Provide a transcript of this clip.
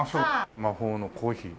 魔法のコーヒー。